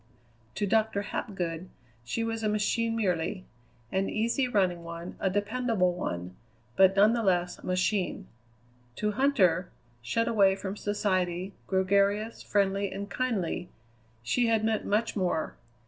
To Doctor Hapgood she was a machine merely; an easy running one, a dependable one, but none the less a machine. To Huntter, shut away from society, gregarious, friendly, and kindly, she had meant much more.